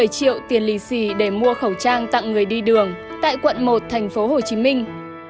bảy triệu tiền lì xì để mua khẩu trang tặng người đi đường tại quận một thành phố hồ chí minh